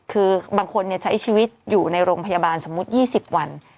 คือบางคนใช้ชีวิตอยู่ในโรงพยาบาลสมมุติ๒๐วัน